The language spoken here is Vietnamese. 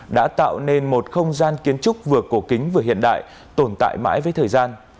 đã tạo nên một không gian kiến trúc vừa cổ kính vừa hiện đại tồn tại mãi với thời gian